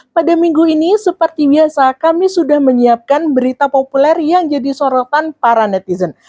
pada minggu ini seperti biasa kami sudah menyiapkan berita populer yang jadi sorotan para netizen